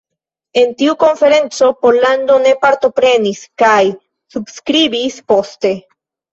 En tiu konferenco, Pollando ne partoprenis kaj subskribis poste.